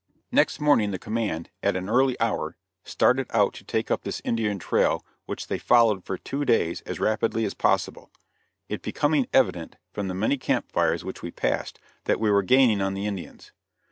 Next morning the command, at an early hour, started out to take up this Indian trail which they followed for two days as rapidly as possible; it becoming evident from the many camp fires which we passed, that we were gaining on the Indians.